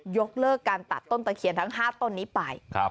ยกเลิกการตัดต้นตะเคียนทั้ง๕ต้นนี้ไป